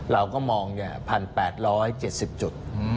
เราก็มอง๑๘๗๐จุด